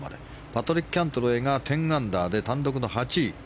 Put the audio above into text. パトリック・キャントレーが１０アンダーで単独の８位。